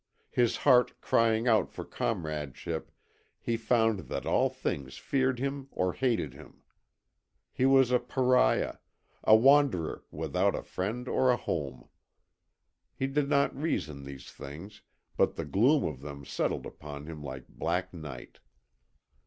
His heart crying out for comradeship, he found that all things feared him or hated him. He was a pariah; a wanderer without a friend or a home. He did not reason these things but the gloom of them settled upon him like black night.